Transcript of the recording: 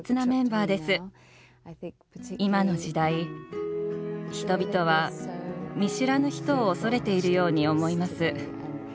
今の時代人々は見知らぬ人を恐れているように思います。